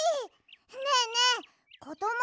ねえねえこども